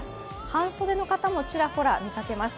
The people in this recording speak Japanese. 半袖の方もちらほら見かけます。